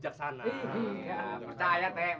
iya percaya rt percaya